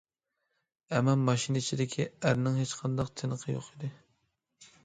ئەمما ماشىنا ئىچىدىكى ئەرنىڭ ھېچقانداق تىنىقى يوق ئىدى.